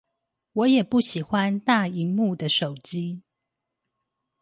我也不喜歡大螢幕的手機